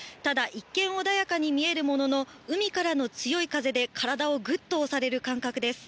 ただ一見穏やかに見えるものの、海からの強い風で体をぐっと押される感覚です。